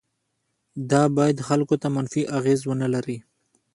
دا باید خلکو ته منفي اغیز ونه لري.